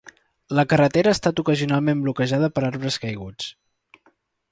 La carretera ha estat ocasionalment bloquejada per arbres caiguts.